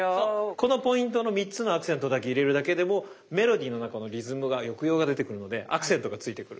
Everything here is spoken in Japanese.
このポイントの３つのアクセントだけ入れるだけでもメロディーの中のリズムが抑揚が出てくるのでアクセントが付いてくる。